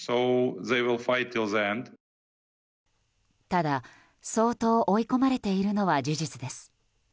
ただ、相当追い込まれているのは事実です。